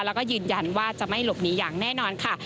แล้วก็ยืนยันว่าจะไม่หลบหนีอย่างแน่นอนค่ะ